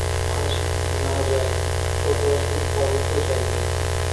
আজ না যায় তো দশদিন পরে তো যাইবে।